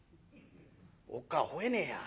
おっ母ぁほえねえや。